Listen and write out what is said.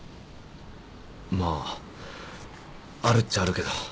まああるっちゃあるけど。